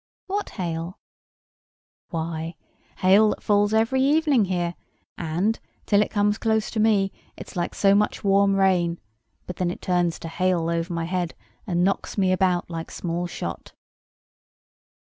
"What hail?" "Why, hail that falls every evening here; and, till it comes close to me, it's like so much warm rain: but then it turns to hail over my head, and knocks me about like small shot."